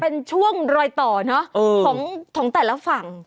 เป็นช่วงรอยต่อเนอะของแต่ละฝั่ง